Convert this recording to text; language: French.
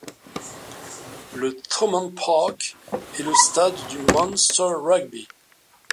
Le Thomond Park est le stade du Munster Rugby.